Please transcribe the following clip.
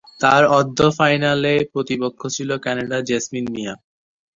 তার অর্ধ-ফাইনালে প্রতিপক্ষ ছিল কানাডার জেসমিন মিয়া।